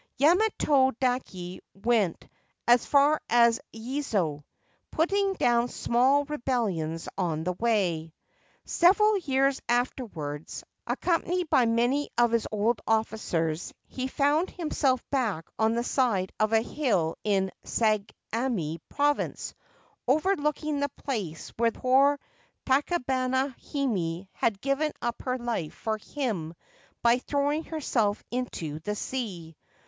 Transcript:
Yamato dake went as far as Yezo, putting down small rebellions on the way. Several years afterwards, accompanied by many of his old officers, he found himself back on the side of a hill in Sagami Province overlooking the place where poor Tachibana Hime had given up her life for him by throwing herself into the sea.